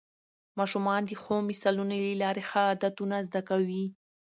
ماشومان د ښو مثالونو له لارې ښه عادتونه زده کوي